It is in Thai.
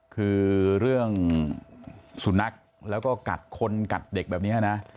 คือเรื่องสุนัขแล้วก็กัดคนกัดเด็กแบบนี้นะ